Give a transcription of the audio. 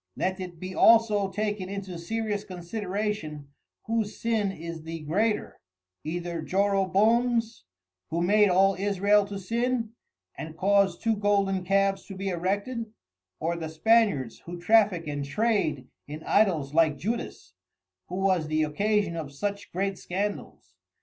Let it be also taken into serious consideration, whose sin is the greater, either Joroboam's, who made all Israel to sin, and caused two Golden Calves to be erected, or the Spaniards who traffick and Trade in Idols like Judas, who was the occasion of such great scandals.